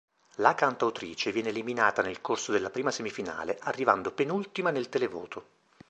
La cantautrice viene eliminata nel corso della prima semifinale, arrivando penultima nel televoto.